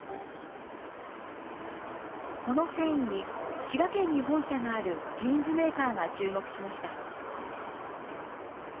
この繊維に滋賀県に本社があるジーンズメーカーが注目しました。